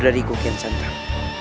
dari rai kian santang